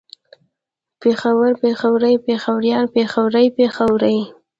پېښوری پېښوري پېښوريان پېښورۍ پېښورې